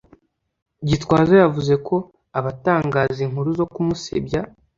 Gitwaza yavuze ko abatangaza inkuru zo kumusebya